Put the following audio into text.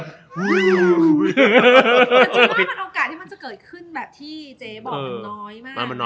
จริงว่ามันโอกาสที่มันจะเกิดขึ้นแบบที่เจ๊บอกมันน้อยมาก